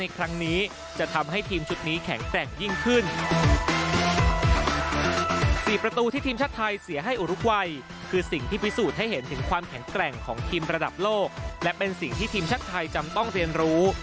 การแข่งของทีมระดับโลกและเป็นสิ่งที่ทีมชาติไทยจำต้องเรียนรู้